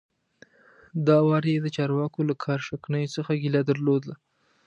دا وار یې د چارواکو له کار شکنیو څخه ګیله درلوده.